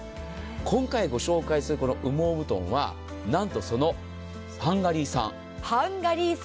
今回紹介するこの羽毛布団はなんとハンガリー産。